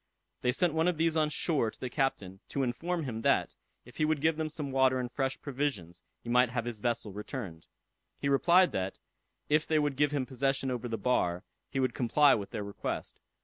They sent one of these on shore to the captain, to inform him that, if he would give them some water and fresh provisions, he might have his vessel returned. He replied that, if they would give him possession over the bar, he would comply with their request.